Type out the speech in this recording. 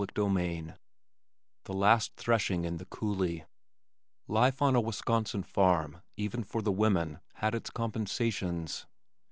CHAPTER V The Last Threshing in the Coulee Life on a Wisconsin farm, even for the women, had its compensations.